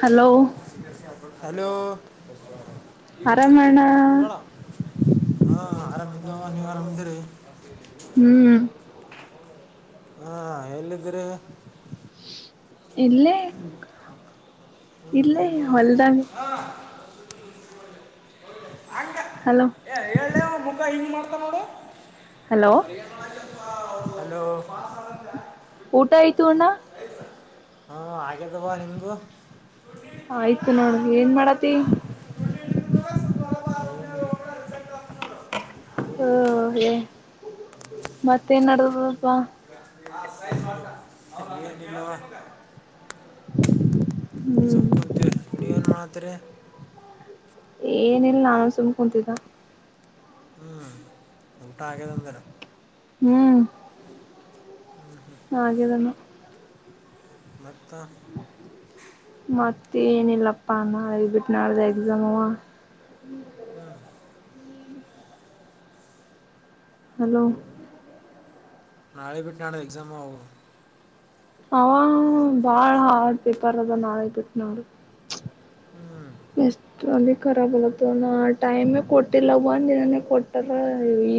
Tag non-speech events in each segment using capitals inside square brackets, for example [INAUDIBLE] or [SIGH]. Hello hello [UNINTELLIGIBLE] ಹೇಳ ಆರಾಮಣ್ಣ ಹಾ ಆರಾಮಅದಿವಿ ನೀವ್ ಆರಾಮಿದ್ದಿರಿ. ಹ್ಮ್ ಹಾ ಎಲ್ಲದಿರಿ ಇಲ್ಲೇ ಹ್ಞೂ ಇಲ್ಲೇ ಏನು ಮಾಡ್ತರಿ ಹೊಲ್ದಾಗ ಹಲೋ ಏ ಹೇಳ ಅವ ಮುಖ ಹಿಂಗ್ ಮಾಡ್ತನ ನೋಡು ಹಲೋ [UNINTELLIGIBLE] ಹಲೋ ಪಾಸಾದಂಗ ಊಟ ಆಯ್ತು ಅಣ್ಣ ಹಾ ಅಗೆದವ ನಿಮ್ದ ಆಯ್ತು ನೋಡ್ ಏನ್ ಮಾಡತಿ [UNINTELLIGIBLE] ಪುರ ರಿಸಲ್ಟ್ ಹೋಗತೇತಿ ನೋಡ ಓ ಗೆ ಮತ್ತೇನ್ ನಡದ್ಬಾ ಅ ಸೈನ್ಸ್ ಮಾಡಕ್ [UNINTELLIGIBLE] ಏನ್ ಇಲ್ಲ್ವಾ. ಹ್ಮ್ ಸುಮ್ ಕುಂತಿೀವ್ರಿ ನೀವೇ ಏನ ಮಾಡತರಿ. ಏನಿಲ್ಲ ನಾನು ಸುಮ್ ಕುೂಂತಿದ್ದ. [UNINTELLIGIBLE] ಹ್ಮ್ ಊಟ ಆಗದ ಹಂಗರ್ ಹ್ಮ್. ಹ್ಮ್ ಹ್ಮ ಹಾ ಹಾಗೆದನ್ನ ಮತ್ತ ಮತ್ತೆ ಏನಿಲ್ಲಪ್ಪಾ ನಾಳೆ ಬಿಟ್ಟ ನಾಡ್ದ ಎಕ್ಸಾಮ ಅವ.. ಹ್ಮ ಹಲೋ ನಾಳೆ ಬೆಟ್ಟಿ ನಾಡ್ದೆ ಎಕ್ಸಾಮ ಆವೋ. ಹಾ... ಬಾಳ ಹಾರ್ಡ್ ಪೇಪರ್ ಅದ ನಾಳೆ ಬಿಟ್ಟ ನಾಡದ ಹ್ಮ್ ಎಷ್ಟು ಅಲ್ಲಿ ಖರಾಬ್ ಇರತ್ತನ ನಾ ಟೈಮೇ ಕೊಟ್ಟಿಲ್ಲ ಒಂದು ದಿನನೇ ಕೊಟ್ಟಾರ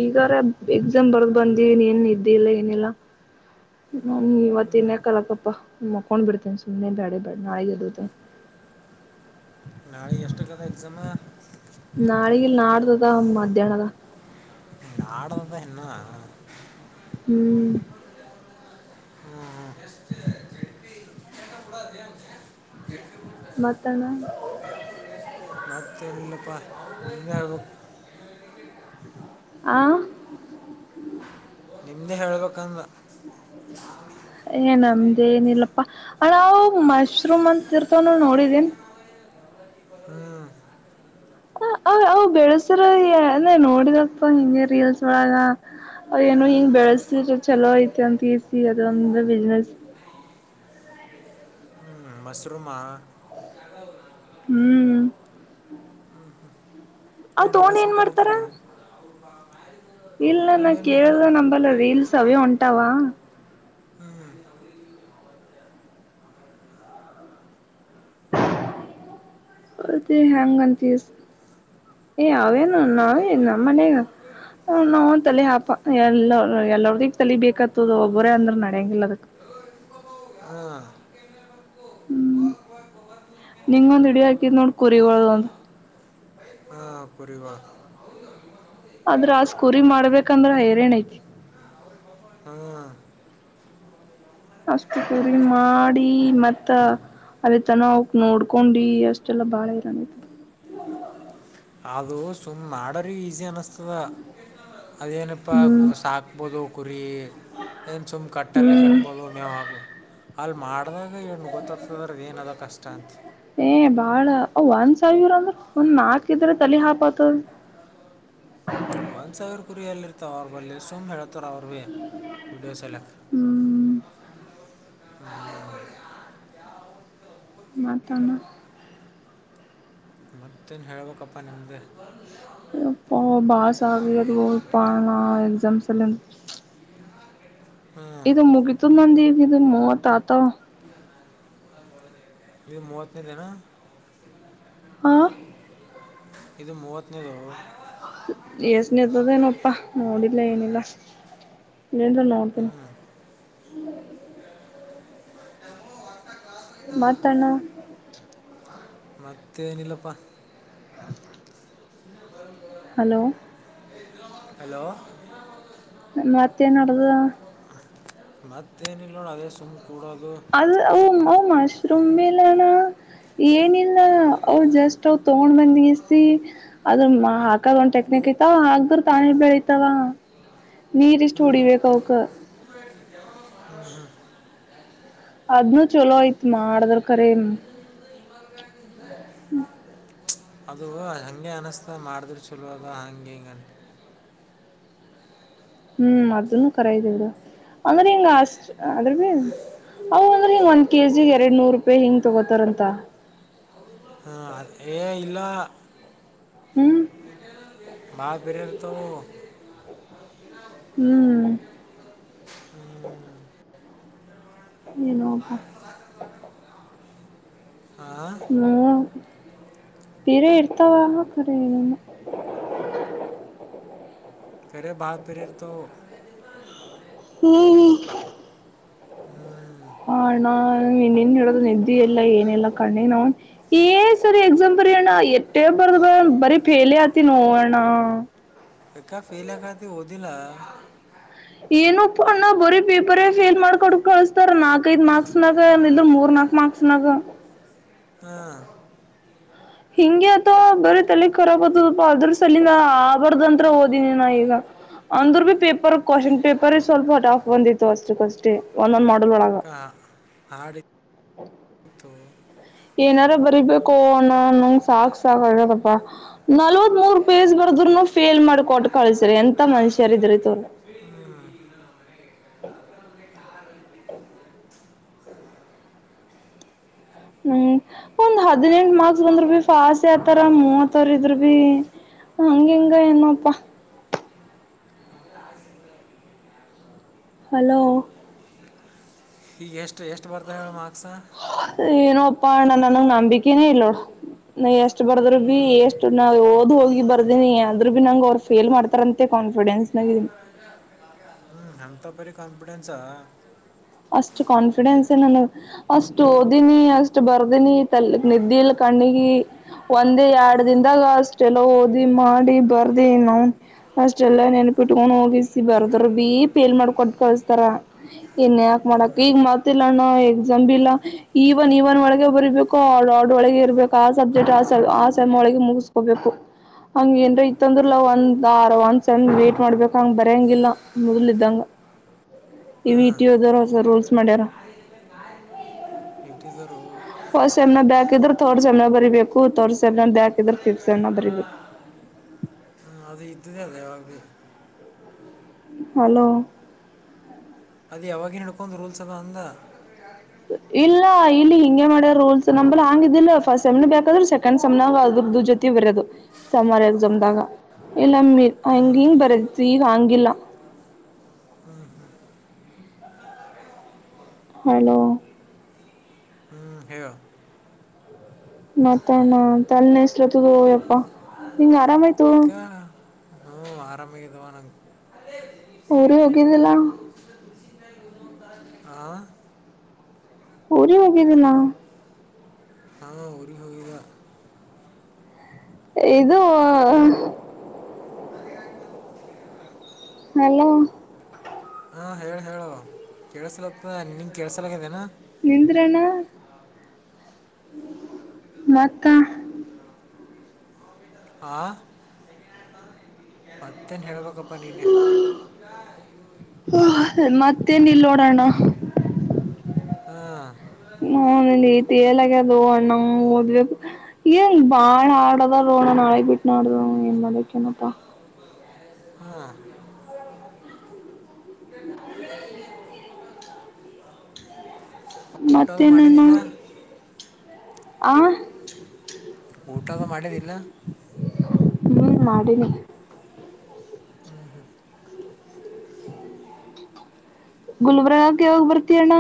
ಈಗಾರ ಎಕ್ಸಾಮ್ ಬರ್ದ ಬಂದಿನಿ ಏನ್ ನಿದ್ದೆ ಇಲ್ಲ ಏನಿಲ್ಲಾ. ಹ್ಮ ಇವತ್ತ ಇನ್ ಕಲಕ್ಕಪ್ಪಾ ಮಕೊಂಡ್ ಬಿಡ್ತೇನೆ ಸುಮನೆ ಬೇಡ ಬ್ಯಾಡ ನಾಳೆಗೆ ಎದ್ದೇಳ್ತೀನಿ ನಾಳೆಗ ಎಷ್ಟಾಕ್ಕದ ಎಕ್ಸಾಮ ನಾಳೆಗಿಲ್ಲ ನಾಡ್ದದ ಮಧ್ಯಾಹ್ನದ ನಾಡ್ದಾದ ಇನ್ನ... ಹ್ಮ್ ಹ್ಮ ಹ್ಮ್ಮ್ ಎಷ್ಟ ಜಡಪಿ [UNINTELLIGIBLE] ಜಡಪಿ ಗುಡಸ್ ಮತ್ತಣ [INAUDIBLE] ಮತ್ತ ಎನು ಇಲ್ಲಪ್ಪ ಪ್ಪ ಆಂ ನಿಮ್ದೆ ಹೇಳ್ಬೇಕಂದ ಏ ನಮ್ದೇ ಏನಿಲ್ಲಪ್ಪಾ ನಾವು ಅಣ್ಣ ಮಶ್ರೂಮ್ ಅಂತ ಇರ್ತ ನೋಡಿದೇನ್ [UNINTELLIGIBLE] ಹ ಅವ ಅವ ಬೆಳಸ್ರ ಇ ನೋಡಿದಪ್ಪ ಹಿಂಗೆ ರೀಲ್ಸ್ ಒಳಗ ಏನೋ ಹಿಂಗ್ ಬೆಳಸಿದ್ರ ಚಲೋ ಐತೆ ಅಂತಸಿ ಅದೊಂದು ಬಿಸ್ನೆಸ್. ಹ್ ಮಶರುೂಮ ಅ ಅವೌ ಜಾಗ ಹ್ಮ್. ಅವ್ ಏನ್ ತಗೊಂಡ್ ಬೆಳೆಸಬೇಕ ಮಾಡ್ತಾರ ಕಲತ್ತೀರಿ ಏನ್ ಇಲ್ಲ ನಾ ಕೇಳ್ದರೆ ನಂಬಲ್ಲ ರೀಲ್ಸ್ ಅವೇ ಹೂಟಾವ. ಹ್ಮ್ ಅದು ಹೇಂಗತೀಸ್ ಏ ಅವೇನು ನಾ ನಮ್ಮನೇಗ. ಹ ನಾವು ತಲೆ ಹಾಪ ಎಲ್ಲ ಎಲ್ಲರದಗ್ ತಲಿ ಬೇಕತ್ತದ ಒಬ್ಬರೇ ಅಂದ್ರ ನಡ್ಯಂಗಿಲ್ಲ ಅದಕ್. [UNINTELLIGIBLE] ಹಾ ಹ್ಮ್ ನಿಂಗ ಒಂದ್ ಇಡಿ ಹಾಕಿದ್ ನೋಡ್ ಕುರಿಗಳದ ಒಂದ್. [UNINTELLIGIBLE] ಹವು ಕುರಿಗಳ [UNINTELLIGIBLE] ಆದ್ರ ಆಸ್ ಕುರಿ ಮಾಡ್ಬೇಕಂದ್ರೆ ಹೈರೇಣ ಐತಿ. ಹ್ಮ ಅಷ್ಟು ಕುರಿ ಮಾಡಿ ಮತ್ತ ಅಲ್ಲಿ ತನ ಅವಕ್ ನೋಡ್ಕೊಂಡಿ ಅಷ್ಟೆಲ್ಲ ಬಾಳ ಇರ ಅದು ಸುಮ್ಮ್ ಮಾಡೋರಿಗೆ ಈಸಿ ಅನ್ನಿಸ್ತದ ಅದೇನಪ್ಪ ಹ್ಮ್ ಸಾಕ್ಬೋದು ಕುರಿ ಏನ್ ಸುಮ್ ಕಟ್ಟಲ್ಲೇ ಹ್ಮ್ ಕಟ್ಬೋದು ಮ್ಯಾವ್ ಹಾಗಗುವ ಅಲ್ಲಿ ಮಾಡಿದಾಗ ಏಣ ಗೊತ್ತಾಗ್ತದ್ರ ಅದು ಏನದ ಕಷ್ಟ ಅಂತ ಏ ಬಾಳ ಅ ಒಂದ್ ಸಾವಿರ ಅಂದ್ರ ಒಂದ್ ನಾಲ್ಕ್ ಇದ್ರೆ ತಲಿ ಹಾಪತದ ಒಂದ್ ಸಾವಿರ ಕುರಿಯಲ್ಲಿ ಇರ್ತ ಅವ್ರ ಬಲ್ಲಿ ಸುಮ್ ಹೇಳ ರ ಅವವ ವೀಡಿಯೋ ಸಲೆಕ್ ಹ್ಮ್ ಮತ್ ಅಣ್ಣ ಮತ್ತೇನು ಹೇಳ್ಬೇಕಪ್ಪಾ ನಿಮೇ ಯಪ್ಪಾ ಬಾಸ್ ಆಗ್ಲೀ ಅದು ಎಕ್ಸಾಮ್ಸ್ ಲ್ಲಿ [UNINTELLIGIBLE] ಹ್ಮ ಇದು ಮುಗತನಂದ ಇಗ ಇದು ಮೂವತ್ತ ಆತಾವ [UNINTELLIGIBLE] ಇ ಮೂವತ್ತನೇ ದಿನ ಹಾ [INAUDIBLE] ಇದು ಮೂವತ್ತನೇದು ಎಏಸ್ನತ ದೇಏನಪ್ಪಾ ನೋಡಿಲ್ಲ ಏನಿಲ್ಲ ಲ್ಲಂದ್ರ ನೋಡ್ತೀನಿ ಯಾ [UNINTELLIGIBLE] ಮತ್ ಅಣ್ಣ ಮತ್ತ ಏನಿಲ್ಲಪ್ಪ ಹಾ ಇ ಬ [INAUDIBLE] ಹಲೋ ಹಲೋ ಮತ್ತೆ ನದಾ ಮತ್ತೇನಿಲ್ಲ ನೋಡ ಅದೇ ಸುಮ್ಮ್ ಕೂಡೋದು ಅದು ಓ ಮಶ್ರುೂಮ್ ಬಲ್ಲಣ ಏನಿಲ್ಲ ಅ ಜಸ್ಟ್ ಅವವು ತಗೊಂಡ್ ಬಂದಸಿಸಿ ಅದನ್ನ ಹಾಕದ ಒಂದ್ ಟೆಕ್ನಿಕ್ ಐತಿ ಹಾಕಿದ್ರ ತಾನೆ ಬೆಳಿತಾವ ನೀರಿಷ್ಟ ಹೊಡಿ ಬೆಕ ಅವಕ್ಕ ಹ್ಮ ಹ್ಮ [UNINTELLIGIBLE] ಹ [INAUDIBLE] ಅದ್ನು ಚಲೋ ಆಯ್ತ್ ಮಾಡದ್ರ ಕರೆ ಏನ್ [UNINTELLIGIBLE] ಹ್ಮ ಅದು ಹಂಗೆ ಅನಸ್ತದ ಮಾಡಿದ್ರ ಚಲೋ ಅಂತ ಹಂಗ ಹಿಂಗಂತೆ ಹ್ಮ್ ಅದನು ಕರೆ ಇದೆ ಬಿಡು ಅಂದ್ರೆ ಹಿಂಗ ಅಷ್ಟ ಅದ್ರ ಅವು ಅಂದ್ರೆ ಹಿಂಗ ಒಂದ್ ಕೆ ಜಿ ಗಿ ಎರಡ್ ನೂರು ರೂಪಾಯಿ ಹಿಂಗ್ ತಗೋತಾರಂತ ಹಾಂ ಅದ್ ಏ ಇಲ್ಲ ಹ್ಮ್ ಬಾಳ ಬೀರಿ ಇರ್ತಾವ ಹತ್ತ [INAUDIBLE] ಹ್ಮ್ ಏನೊಪ್ಪಾ [INAUDIBLE] ಹಾ ಹ್ಮ ಬೇರೆ ಇರ್ತವೆ ಅವನುವು ಕರೆ ಹೇಳೋದಿಲ ತೆರೆ ಬಹಳ ತೆರೆ ಇರ್ತವು ಹ್ಮಞ ಹ್ಞೂ ಹ ನಾನ್ ಹೇಳಡೋದು ನಿದ್ದಿ ಎಲ್ಲ ಏನೆಲ್ಲಾ ಕಣ್ಣೆಗೇ ನಾ್ ಏ ಸರಿ ಎಕ್ಸಾಂಪರಿ ಅಣ್ಣ ಎಟ್ಟೇ ಬರ್ದ ಬ ಬರಿೀ ಫೇಲಿ ಆತಿ ನೋ ಅಣ್ಣ ಯಾಕ ಫೈಲ್ ಯಾಕೆ ಹಾಗಿತಿ ಓದಿಲ್ಲ ಏನು ಅಣ್ಣ ಬರೀ ಪೇಪರೇ ಫೇಲ್ ಮಾಡಕೊಂಡ ಕಳಸ್ತಾರ ನಾಲ್ಕ್ೈಐದು ಮಾರ್ಕ್ಸ್ ನಾಗ ಇದ್ರು ಮೂರ್ ನಾಲ್ಕ್ ಮಾರ್ಕ್ಸ್ ಚನಗ ಹಾ ಹಿಂಗೆ ಅಥವಾ ಬರೀ ತಲೆ ಖರಾಬ್ ಆತದಪ್ಪ ಅದ್ರ ಸಲ ನ ಆಬಾರ್ದಂತ್ರ ಓದಿನಿ ನಾ ಈಗ ಅಂದ್ರರು ಭೀ ಪೇಪರ್ ಕ್ವಶನ್ ಪೇಪರ್ ಸ್ವಲ್ಪ ಹ ಆಫ್ ಬಂದಿತ್ತು ಅಷ್ಟಕ್ಕ ಅಷ್ಟೇ ಒಂದೊಂದ್ ಮಾಡಲ್ ಒಳಗ ಹ ಹಾರ್ಡ್ ಇತ್ತು ಏನಾರು ಬರೀಬೇಕು ಅನ್ನ ನಂಗ್ ಸಾಕ್ ಸಾಕ್ ಆಗದಪ್ಪ ನಲ್ವತ್ ಮೂರ್ ಪೇಸ್ ಬರ್ದರುನು ಫೇಲ್ ಮಾಡ್ಕ ಕೊಟ್ಟು ಕಳಸ್ರ ಎಂತ ಮನುಷ್ಯರ ಇದ್ರ ತವ ಅ -ಸಿ -ಹ ಹ್ಮ್ ಒಂದ್ ಹದ್ನೆಂಟ ಮಾರ್ಕ್ಸ್ ಬಂದರು ಬಿ ಫಾಸ್ ಆಗ್ತಾರ ಮೂವತ್ತಾರ ಇದ್ರು ಬಿ ಹಂಗ ಹಿಂಗ ಏನೊಪ್ಪಾ ಮೊದಲೇ ಹಾಸಿದ್ರ ಏಳ್ ಹಲೋ ಹೀಗ ಎಷ್ಟು ಎಷ್ಟು ಬರ್ತಾವ ಹೇಳ್ ಮ ಮಾರ್ಕ್ಸ ಏನೋಪ್ಪ ನನಗ್ ನಂಬಿಕೆನೇ ಇಲ್ಲೋಡು ನ ಎಷ್ಟ್ ಬರ್ದ್ರು ಹ್ಞೂ ಬಿ ಎಷ್ಟು ನಾ ಓದ್ ಹೋಗಿ ಬರ್ದೇನಿ ಅದ್ರರು ಬಿ ನಂಗ್ ಅವರು ಫೇಲ್ ಮಾಡ್ತಾರಂತೆ ಕಾನ್ಫಿಡೆನ್ಸ್ ನಲ್ಲಿ ಇದೀನಿ. [INAUDIBLE] [UNINTELLIGIBLE] [INAUDIBLE] ಅಂತ ಪರಿ ಕಾನ್ಫಿಡೆನ್ಸ್, [INAUDIBLE] ಅಷ್ಟ ಕಾನ್ಫಿಡೆನ್ಸ್ ನನಗ, [INAUDIBLE] ಅಷ್ಟು ಓದಿನಿ ಅಷ್ಟ್ ಬರ್ದಿನಿ ತಲ್ ನಿದ್ದೆಲ್ ಕಣ್ಣಗಿ. [INAUDIBLE] ಒಂದೇ ಎರಡ್ ದನ್ದಾಗ ಅಷ್ಟೆಲ್ಲ ಓದಿ ಮಾಡಿ ಬರ್ದಿವಿ ನಾವ ಅಷ್ಟೆಲ್ಲಾ ನೆನಪಿಟ್ಕೊಂಡ್ ಹೋಗಿಸಿ ಬರ್ದ್ರ ಬಿಇ ಪೇಲ್ ಮಾಡ್ಕೊಟ್ಟ ಕಳಸ್ತಾರ. [INAUDIBLE] ಏನ್ ಯಾಕ್ ಮಾಡಕ್ ಈಗ ಮತ್ತ ಇಲ್ಲ ಅಣ್ಣ ಎಕ್ಸಾಮ ಇಲ್ಲಾ? [INAUDIBLE] ಈವನ್ ಇವನ್ ಒಳಗೆ ಬರಿಬೇಕು ಓಡ್ ಆರ್ಡರ್ ವಳಗೆ ಇರ್ಬೇಕು ಆ ಸಬ್ಜೆಕ್ಟ್ ಆ ಆ ಸೈಮ್ ಒಳಗೆ ಮುಗಿಸ್ಕೋಬೇಕು. [INAUDIBLE] ಹಂಗ ಏನ್ರ ಇತ್ತಂದ್ರಲಾ ಒಂದ್ ಆರ ಒಂದ್ ಸೇಮ್ ವೇಟ್ ಮಾಡ್ಬೇಕ ಹಂಗ ಬರೆಯಂಗಿಲ್ಲ ಮೊದಲ್ಲ ಇದ್ದಂಗ. [INAUDIBLE] ಇ ಯುಟಿ ಅದವರ ಹೊಸ ರೂಲ್ಸ್ ಮಾಡ್ಯಾರ? ಆಕಿ ಅಂತೆಗ ನಾಯಿನುಡಿ ಐತಿ. [INAUDIBLE] ನಿಂತಿದಾರೋ [INAUDIBLE] ಫಸ್ಟ್ ಸೆಮ್ ಬ್ಯಾಕ್ ಇದ್ರ ತರ್ಡ್ ಸೆಮ್ ನ್ಯಾಗ ಬರಿಬೇಕು ತರ್ಡ್ ಸೆಮ್ ಬ್ಯಾಕ್ ಇದ್ರ ಸಿಕ್ಸ್ ಸೆಮ್ ನ್ಯಾಗ ಬರಿಬೇಕು. ಹ್ಮ್, ಅದು ಇದ್ದದೆೇ ಯವಾಗಿ ಬೀ [INAUDIBLE] ಹಲೋ? ಅದ ಯಾವಾಗ ನಡ್ಕೊಂದ್ ರೂಲ್ಸ್ ಅದ ಅಂದ [INAUDIBLE] ಇಲ್ಲ ಇಲ್ಲಿ ಹಿಂಗೆ ಮಾಡ್ಯ ರೂಲ್ಸ್ ನಂಬಲ್ ಹಂಗ ಇದಿಲ್ಲ ಫಸ್ಟ್ ಸೆಮ್ ಬೇಕಾದ್ರ ಸೆಕೆಂಡ್ ಸೆಮ್ನಾಗ ಅದ್ರದ್ದು ಜೊ [INAUDIBLE] ಕತಿ ಬರೋದು ಸಮರ ಎಕ್ಸಾಮ್ ದಾಗ ಇಲಮ್ಮಿ ಹ್ಞೂ ದಿಮ ಬರದಿತ್ತು ಈಗ ಹಂಗಿಲ್ಲ. [INAUDIBLE] [INAUDIBLE] ಹಲೋ? [INAUDIBLE] ಹ ಹೇಳ [INAUDIBLE] ಮತ್ತಣ್ಣ ತಲೆ ನಸ್ಲತ ಹೋ ಯಪ್ಪಾ ನಿಂಗ ಆರಾಮಾಯ್ತ? [INAUDIBLE] ಬಿಕ ಹೂ ಆರಾಮ ಇದಿದ್ದಾವ ನಂಗ [INAUDIBLE] ಹಳೇ ಬೆರಿ [INAUDIBLE] ಊರಿಗ ಹೋಗಿಲಲ್ಲ. [INAUDIBLE] ಆ [INAUDIBLE] [UNINTELLIGIBLE] ಊರಿಗೆ ಹೋಗಿದಿಲ್ಲ. ಹಾ ಊರಿಗೆ ಹೋಗಿದ್ಯ [INAUDIBLE] ಇದು ವಹ [INAUDIBLE] ಹಲೋ? ಹಾ ಹಲೋ ಹೇಳು. [INAUDIBLE] ಕೇಳಸಲಪ್ಪ ನಿಂಗ ಕೇಳಸಲದ ಆಗಿತ್ತ ಏನ್ [INAUDIBLE] ನಿಂದ್ರಲ್ಲ ಮತ್ತ [INAUDIBLE] [UNINTELLIGIBLE] ಹಾ ಮತ್ತೇನು ಹೇಳೇಬೇಕಪ್ಪ ನಿನ್ನೆ [INAUDIBLE] [UNINTELLIGIBLE] ಮತ್ತೇನ್ ಇಲ್ಲ ನೋಡಣ್ಣ? [INAUDIBLE] [UNINTELLIGIBLE] ಹಾ [INAUDIBLE] [INAUDIBLE] ಹೂ ನನಗ ಈ ತಿಳಿಯದ ಆಗಿತ್ತ ಅಣ್ಣ ಓದಿದ್ದ ಏ ಬಾಳ ಹಾಡ್ರ ಅದರೋ ಅಣ್ಣ ನಾಳಿಗೆ ಬಿಟ್ಟು ನಾಡಾದ ಆದ ಅದಕ್ಕ ಏನಪ್ಪ. [INAUDIBLE] ಹಾ [INAUDIBLE] [INAUDIBLE] [UNINTELLIGIBLE] ಮತ್ತ ಊಟದು ಏನ್ ಅಣ್ಣ ಮಾಡಿದಿಲ್ಲ ಆ [INAUDIBLE] [UNINTELLIGIBLE] ಊಟಾ ಅದು ಮಾಡೇದಿಲ್ಲ. [INAUDIBLE] ಹೂ ಮಾಡಿನಿ. [INAUDIBLE] [UNINTELLIGIBLE] ಹ ಹ [INAUDIBLE] ಗುಲ್ಬರ್ಗಕ್ಕೆ ಯಾವಾಗ್ ಬರ್ತಯಣ್ಣ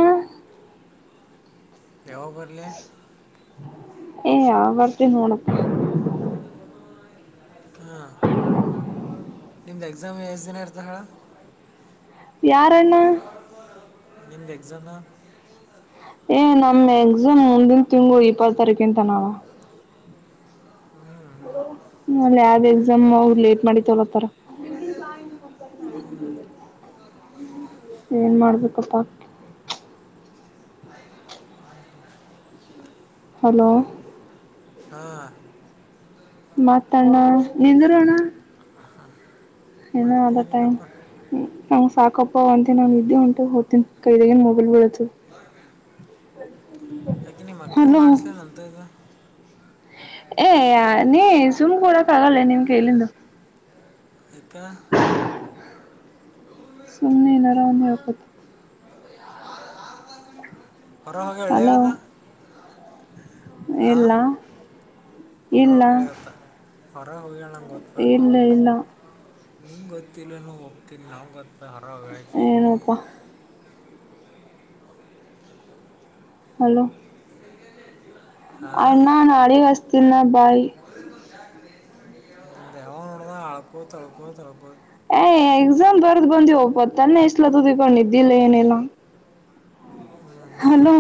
ಯವಗ್ ಬರ್ಲಿ ಏ ಬರತ ನೋಣ ಹ್ಮ ನಿಮ್ದ ಎಕ್ಸಾಮ್ ಎಷ್ಟ ದಿನ ಇರ್ತ ಹೇಳಳ ಯಾರಣ್ಣ ನಿಮ್ಮದ ಎಕ್ಸಾಮ್ ಏ ನಮ್ಮ್ ಎಕ್ಸಾಮ್ ಮುಂದಿನ ತಿಂಗು ಇಪ್ಪತ್ ತಾರೀಕಂತ ನಾವ ಹ್ಞೂ ಅಲ್ಲಿ ಯಾವ್ದ್ ಎಕ್ಸಾಮ್ ಅವರು ಲೇಟ್ ಮಾಡತ್ತವಲತರ ಏನ್ ಮಾಡ್ಬೇಕಪ್ಪಾ ಬ ಹಲೋ ಹಾ ಮತ್ತ ಅಣ್ಣ ನಿಂದರ ಅಣ್ಣ ಇನ್ನು ಅದ ಟೈಮ ಮತ್ತೇನಿಲ್ಲಪ್ಪ ಹೂ ನಂಗ್ ಸಾಕಪ್ಪ ಹೊತ್ತೀನಿ ನಾ ನಿದ್ದಿ ಹೊಂಟದ ಹೋಗ್ತಿನೀ ಕೈದಾಗನ್ ಮೊಬೈಲ್ ಬೀಳಾತದ ನಿಮ್ಮ ಅಕ್ಕ ಹಲೋ ಮಾಡಸ್ಲೇನ್ ಅಂತದು ಏ ನೀ ಸುಮ್ ಕೊಡಕ್ ಆಗಲ್ಲ ನಿಮ್ಗೆ ಇಲ್ಲಿಂದು ಕ್ಕೆ ಸೊಮನೆ ಏನರಾವ ಹೇಳಕತ ಹೊರಹ ಹಲೋ ಎಳೆಯದ ಆ ಇಲ್ಲ ಹೊರ ಇಲ್ಲ ಹೋಗಿ ಗತ್ತ ಹೊರಗೆ ಹೋಗೇಳ ನಂಗಗೆ ಗೊತ್ತಾ ಇಲ್ಲ ಇಲ್ಲ ನಿಂ ಗೊತ್ತಿಲ್ಲನು ಒಪ್ತಿಲ್ಲ ನಾವು ಗೊತ್ತ ಹರ ವಕಿ ಏನಪ್ಪಾ ಹಲೋ ಕ ಅಣ್ಣ ನಾಡಿ ವಸ್ತೀ ನ ಬಾಯಿ ಹಳಕೋ ಹಳಕೋ ಹಳಕೋತ್ ಏ್ ಎಕ್ಸಾಮ್ ಬರ್ದ್ ಬಂದಿವವ ಒಪ್ಪ ತನ್ನೆ ಎಷ್ಟಲತದುಕೊಂಡ್ ಇದಿದ್ದಿಲ್ಲ ಏನಿಲ್ಲಾ ಹಲೋ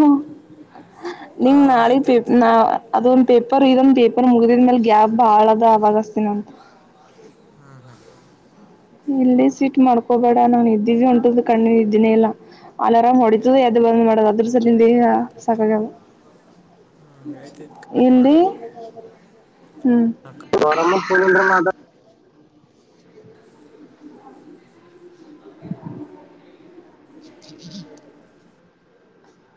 ನೀ ಹಾಂ ನಾಳ ಆಯ್ತಾಯ್ತು ನಾ ಅದೊಂದ ಪೇಪರ್ ಇದೊಂದ್ ಪೇಪರ್ ಮುಗಿದ್ಮ ಮೇಲ್ ಗ್ಯಾಪ್ ಬಹಳ ಅ ಅವಾಗ್ತನಂಂತ ಹ್ಮ್ ಹ್ಮ್ ಇಲ್ಲೇ ಸ್ೀಟ್ ಮಾಡ್ಕೋಬೇಡ ನಾು ಇದ್ದೀವಿ ಉಂಟುದು ಕಣ್ಣಿ ಇದನೇ ಇಲ್ಲಾ ಅಲಾರಾಮ್ ಹೊಡಿತು ಯ್ದ ಬಂದ್ ಮಾಡದು ಅದ್ರ ಸ ಈಗ ಸಾಕ ಹ್ಞೂ ಆಯ್ತಾಯ್ತು ಕಟ್ ಹಲ್ಲಿಿ ಹ್ಮ್ ರ ಮಾ [INAUDIBLE]